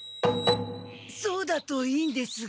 そうだといいんですが。